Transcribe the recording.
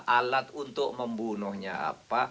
alat untuk membunuhnya apa